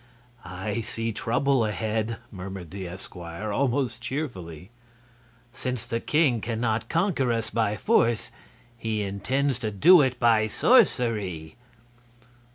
"I see trouble ahead," murmured the esquire, almost cheerfully. "Since the king can not conquer us by force he intends to do it by sorcery."